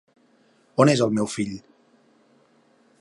On és el meu fill?